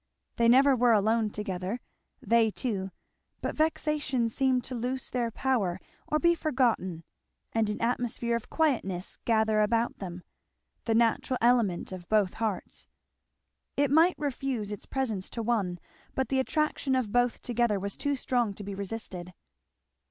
They never were alone together, they two, but vexations seemed to lose their power or be forgotten; and an atmosphere of quietness gather about them, the natural element of both hearts. It might refuse its presence to one, but the attraction of both together was too strong to be resisted.